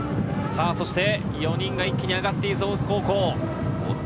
４人が一気に上がっている大津高校。